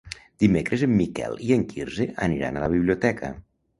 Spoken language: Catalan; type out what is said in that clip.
Dimecres en Miquel i en Quirze aniran a la biblioteca.